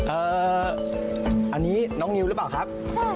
อันนี้น้องนิวหรือเปล่าครับ